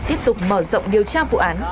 tiếp tục mở rộng điều tra vụ án